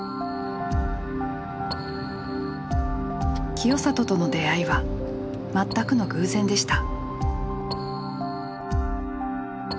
清里との出会いは全くの偶然でした。